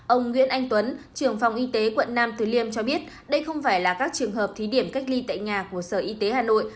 ông nguyễn anh tuấn trường phòng y tế quận nam từ liêm cho biết đây không phải là các trường hợp thí điểm cách ly tại nhà của sở y tế hà nội